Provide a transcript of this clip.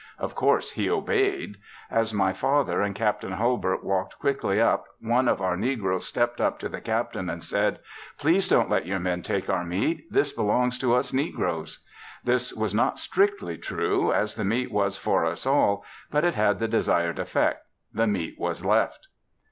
Of course he obeyed. As my father and Captain Hulbert walked quickly up one of our negroes stepped up to the captain and said, "Please don't let your men take our meat. This belongs to us negroes." This was not strictly true as the meat was for us all, but it had the desired effect. The meat was left.